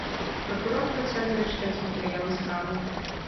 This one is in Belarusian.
Пракурор працягвае чытаць матэрыялы справы.